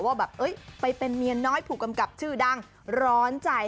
ว่าแบบไปเป็นเมียน้อยผู้กำกับชื่อดังร้อนใจ